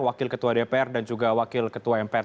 wakil ketua dpr dan juga wakil ketua mpr